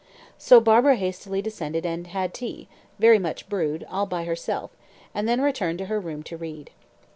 So Barbara hastily descended and had tea very much brewed all by herself, and then returned to her room to read.